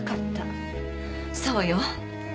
そうよ。